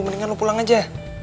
mendingan lo pulang aja